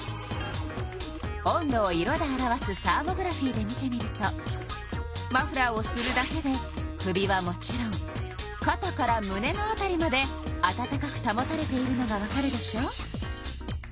温度を色で表すサーモグラフィーで見てみるとマフラーをするだけで首はもちろんかたからむねの辺りまで温かくたもたれているのがわかるでしょ？